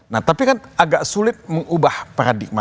nah tapi kan agak sulit mengubah paradigma